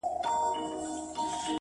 • زموږ څه ژوند واخله؛